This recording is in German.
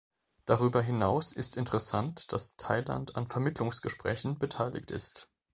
Darüber hinaus ist interessant, dass Thailand an Vermittlungsgesprächen beteiligt ist.